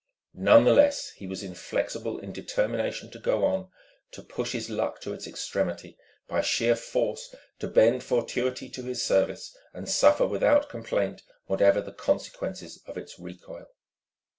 None the less he was inflexible in determination to go on, to push his luck to its extremity, by sheer force to bend fortuity to his service and suffer without complaint whatever the consequences of its recoil.